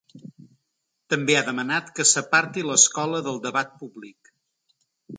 També ha demanat que s’aparti l’escola del debat públic.